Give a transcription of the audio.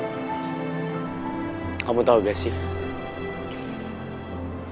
akan nambah tanggal merah di kalender kita